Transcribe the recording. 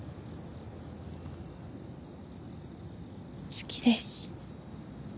好きです。